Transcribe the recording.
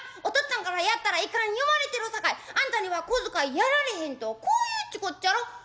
おとっつぁんからやったらいかん言われてるさかいあんたには小遣いやられへん』とこう言うってこっちゃろ。